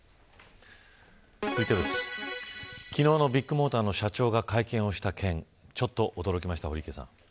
昨日のビッグモーターの社長が会見した件ちょっと驚きました、堀池さん。